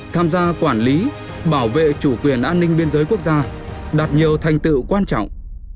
tham gia quản lý bảo vệ chủ quyền an ninh biên giới quốc gia đạt nhiều thành tựu quan trọng